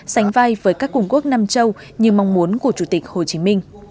sánh vai với các cung quốc nam châu như mong muốn của chủ tịch hồ chí minh